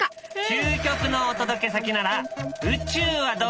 究極のお届け先なら宇宙はどうかな？